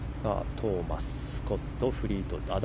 トーマス、スコットフリートウッド。